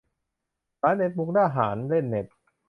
ร้านเน็ตมุกดาหาร : เล่นเน็ต